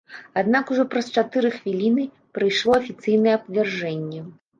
Аднак ужо праз чатыры хвіліны прыйшло афіцыйнае абвяржэнне.